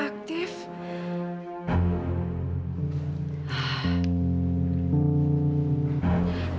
mau ditelepon kok malah gak aktif